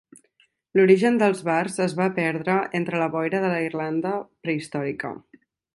L"origen dels bards es va perdre entre la boira de la Irlanda pre-històrica.